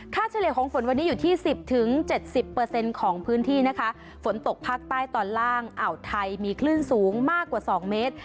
ค่าเฉลี่ยของฝนวันนี้อยู่ที่๑๐๗๐ของพื้นที่นะคะฝนตกภาคใต้ตอนล่างอ่าวไทยมีคลื่นสูงมากกว่า๒เมตร